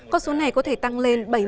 con số này có thể tăng lên